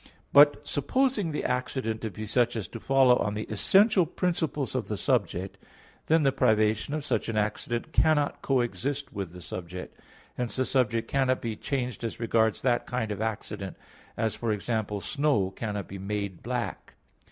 But supposing the accident to be such as to follow on the essential principles of the subject, then the privation of such an accident cannot coexist with the subject. Hence the subject cannot be changed as regards that kind of accident; as, for example, snow cannot be made black.